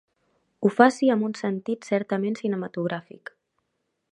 Ho faci amb un sentit certament cinematogràfic.